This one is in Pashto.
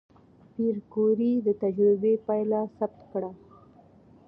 پېیر کوري د تجربې پایله ثبت کړه.